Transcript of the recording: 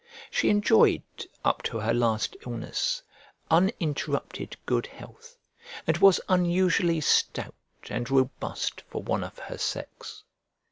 She enjoyed, up to her last illness, uninterrupted good health, and was unusually stout and robust for one of her sex.